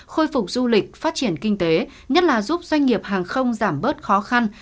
khôi phục du lịch phát triển kinh tế nhất là giúp doanh nghiệp hàng không giảm bớt khó khăn